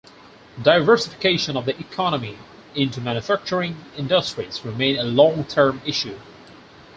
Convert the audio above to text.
Diversification of the economy into manufacturing industries remain a long-term issue.